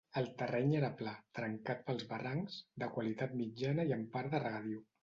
El terreny era pla, trencat pels barrancs, de qualitat mitjana i en part de regadiu.